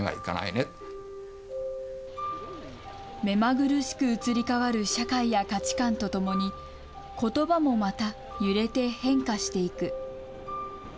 目まぐるしく移り変わる社会や価値観とともに、ことばもまた揺れて、変化していく。